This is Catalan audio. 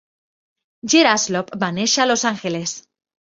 Geer-Alsop va néixer a Los Angeles.